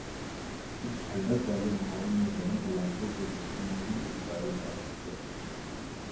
اس ٹھنڈک والے ماحول میں گرم علاقوں کے پودے نہیں اگائے جاسکتے